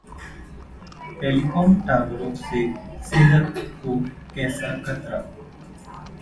telecom टावरों से सेहत को कैसा खतरा